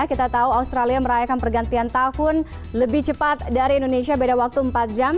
kita tahu australia merayakan pergantian tahun lebih cepat dari indonesia beda waktu empat jam